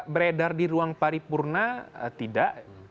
beredar di ruang paripurna tidak